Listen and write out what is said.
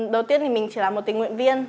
đầu tiên thì mình chỉ là một tình nguyện viên